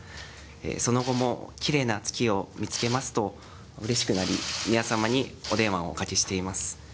その後もきれいな月を見つけますと、うれしくなり、宮さまにお電話をおかけしています。